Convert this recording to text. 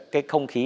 cái không khí